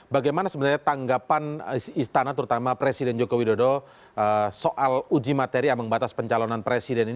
bagaimana sebenarnya tanggapan istana terutama presiden joko widodo soal uji materi ambang batas pencalonan presiden ini